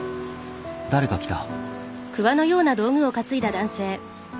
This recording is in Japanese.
誰か来た。